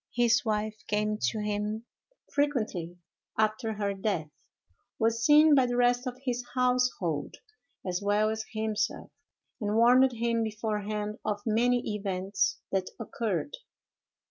His wife came to him frequently after her death; was seen by the rest of his household, as well as himself; and warned him beforehand of many events that occurred.